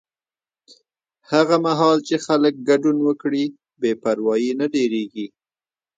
هغه مهال چې خلک ګډون وکړي، بې پروایي نه ډېریږي.